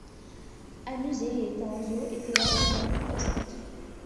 Un musée et un zoo étaient attenants au centre.